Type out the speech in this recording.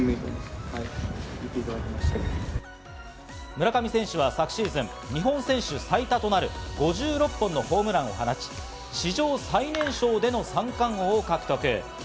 村上選手は昨シーズン、日本選手最多となる５６本のホームランを放ち、史上最年少での三冠王を獲得。